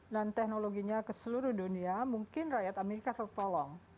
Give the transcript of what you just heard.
dan teknologinya ke seluruh dunia mungkin rakyat amerika tertolong